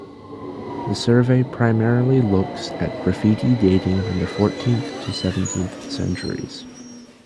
The survey primarily looks at graffiti dating from the fourteenth to seventeenth centuries.